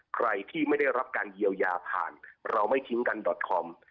ใครที่ไม่ได้รับการเยียวยาผ่านเราไม่ทิ้งกันดอตคอม